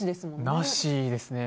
なしですね。